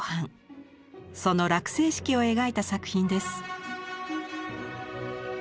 その落成式を描いた作品です。